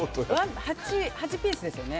８ピースですよね